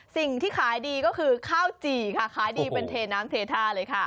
สิ่งที่ขายดีก็คือข้าวจี่ค่ะขายดีเป็นเทน้ำเทท่าเลยค่ะ